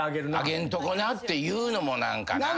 あげんとこなって言うのも何かなぁ。